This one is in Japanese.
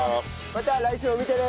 また来週も見てね！